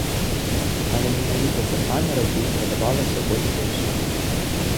Але менавіта за камерай ёй спадабалася больш за ўсё.